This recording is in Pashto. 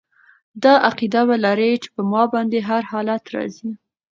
دا عقیده به لري چې په ما باندي هر حالت را ځي